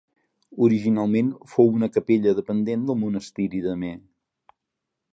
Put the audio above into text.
Originalment fou una capella dependent del monestir d'Amer.